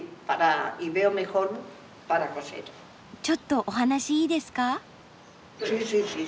ちょっとお話いいですか？